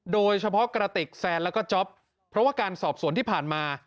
กระติกแซนแล้วก็จ๊อปเพราะว่าการสอบสวนที่ผ่านมา